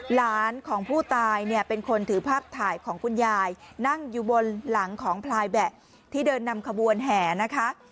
หลานของผู้ตายเนี่ยเป็นคนถือภาพถ่ายของคุณยายนั่งอยู่บนหลังของพลายแบะที่เดินนำขบวนแห่นะคะ